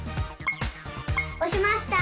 おしました！